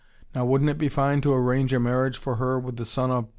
Now wouldn't it be fine to arrange a marriage for her with the son of